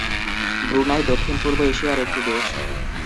Brunei দক্ষিণ-পূর্ব এশিয়ার একটি দেশ।